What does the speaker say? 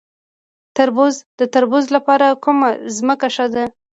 د تربوز لپاره کومه ځمکه ښه ده؟